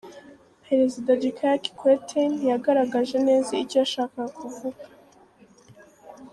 Perezida Jikaya Kikwete ntiyagaragaje neza icyo yashakaga kuvuga.